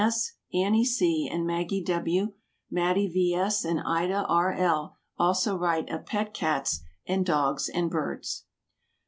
S., Annie C. and Maggie W., Mattie V. S., and Ida R. L., also write of pet cats and dogs and birds.